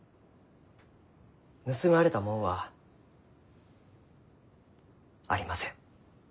盗まれたもんはありません。